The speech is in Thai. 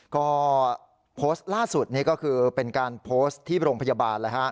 ก็โพสต์ล่าสุดนี่ก็คือเป็นการโพสต์ที่โรงพยาบาล